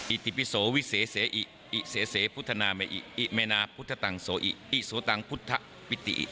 อิติปิโสวิเศษอิเสพุทธนาเมอิอิเมนาพุทธตังโสอิอิโสตังพุทธปิติ